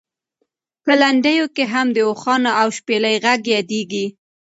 په لنډیو کې هم د اوښانو او شپېلۍ غږ یادېږي.